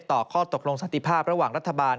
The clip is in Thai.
ข้อตกลงสันติภาพระหว่างรัฐบาล